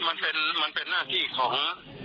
มันเป็นหน้าที่ของ